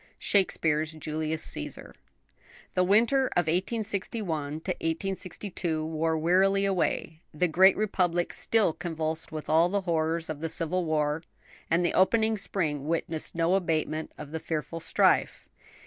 SHAKESPEARE'S JULIUS CÆSAR. The winter of 1861 '62 wore wearily away, the Great Republic still convulsed with all the horrors of the civil war; and the opening spring witnessed no abatement of the fearful strife.